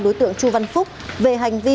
đối tượng chu văn phúc về hành vi